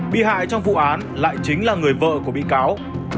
bị hại trong vụ án lại chính là người vợ của bị cáo